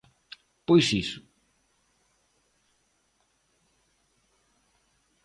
Pois, iso.